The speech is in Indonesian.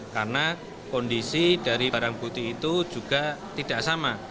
karena kondisi dari barang bukti itu juga tidak sama